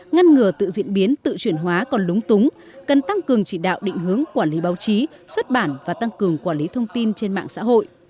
ngăn ngừa tự diễn biến tự chuyển hóa còn lúng túng cần tăng cường chỉ đạo định hướng quản lý báo chí xuất bản và tăng cường quản lý thông tin trên mạng xã hội